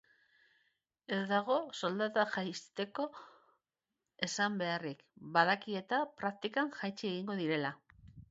Ez dago soldatak jaisteko esan beharrik, badaki-eta, praktikan jaitsi egingo direla.